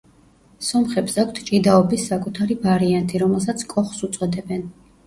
სომხებს აქვთ ჭიდაობის საკუთარი ვარიანტი, რომელსაც კოხს უწოდებენ.